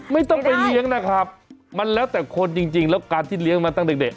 ไม่ต้องไปเลี้ยงนะครับมันแล้วแต่คนจริงแล้วการที่เลี้ยงมาตั้งแต่เด็ก